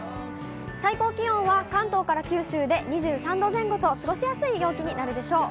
最高気温は関東から九州で２３度前後と過ごしやすい陽気になるでしょう。